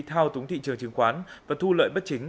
thao túng thị trường chứng khoán và thu lợi bất chính